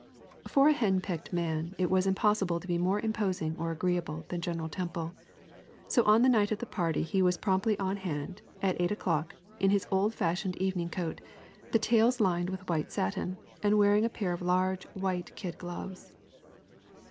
For a henpecked man, it was impossible to be more imposing or agreeable than General Temple. So on the night of the party he was promptly on hand, at eight o'clock, in his old fashioned evening coat, the tails lined with white satin, and wearing a pair of large, white kid gloves.